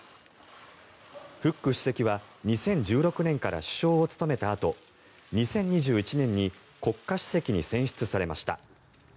フック主席は２０１６年から首相を務めたあと２０２１年に国家主席に選出されました。